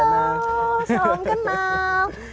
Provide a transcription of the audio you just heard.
halo salam kenal